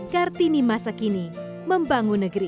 kartini masa kini membangun negeri